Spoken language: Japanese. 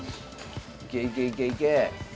いけいけいけいけ！